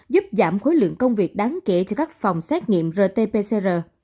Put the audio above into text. giúp giảm khối lượng công việc đáng kể cho các phòng xét nghiệm rt pcr